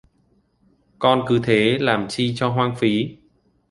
Con cứ thế lam chi cho hoang phí